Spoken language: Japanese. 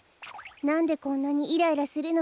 なんでこんなにイライラするのかしら。